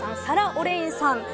サラ・オレインさん